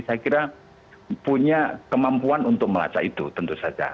saya kira punya kemampuan untuk melacak itu tentu saja